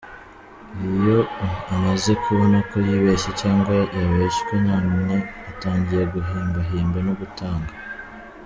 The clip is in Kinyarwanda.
Uyu amaze kubona ko yibeshye cyangwa yabeshywe none atangiye guhimbahimba no gutanga